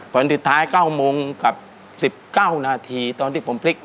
วันสุดท้าย๙โมงกับ๑๙นาทีตอนที่ผมพลิก